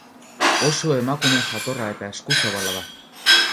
Oso emakume jatorra eta eskuzabala da.